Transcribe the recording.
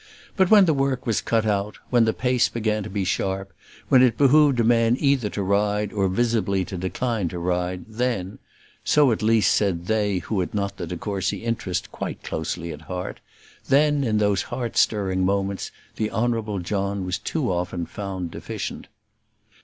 But when the work was cut out, when the pace began to be sharp, when it behoved a man either to ride or visibly to decline to ride, then so at least said they who had not the de Courcy interest quite closely at heart then, in those heart stirring moments, the Honourable John was too often found deficient.